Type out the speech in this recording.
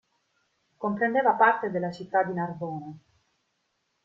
Comprendeva parte della città di Narbona.